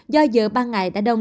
do giờ ban ngày đã đông